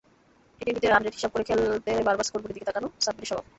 টি-টোয়েন্টিতে run rate হিসাব করে খেলতে বারবার স্কোরবোর্ডের দিকে তাকানো সাব্বিরের স্বভাব।